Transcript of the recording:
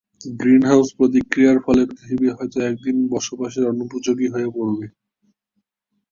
Green house প্রতিক্রিয়ার ফলে পৃথিবী হয়তো একদিন বসবাসের অনুপযোগী হয়ে পড়বে।